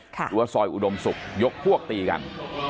หรือว่าซอยอุดมศุกร์ยกพวกตีกัน